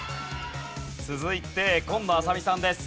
続いて紺野あさ美さんです。